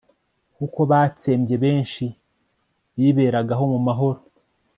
kuko batsembye benshi biberagaho mu mahoro